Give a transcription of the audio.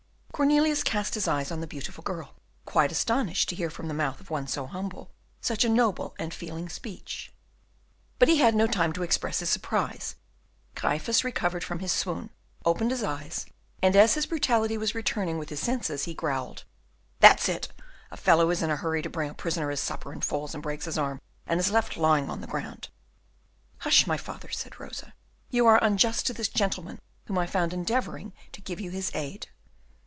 Cornelius cast his eyes on the beautiful girl, quite astonished to hear from the mouth of one so humble such a noble and feeling speech. But he had no time to express his surprise. Gryphus recovered from his swoon, opened his eyes, and as his brutality was returning with his senses, he growled "That's it, a fellow is in a hurry to bring to a prisoner his supper, and falls and breaks his arm, and is left lying on the ground." "Hush, my father," said Rosa, "you are unjust to this gentleman, whom I found endeavouring to give you his aid."